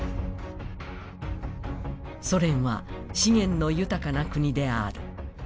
「ソ連は資源の豊かな国である」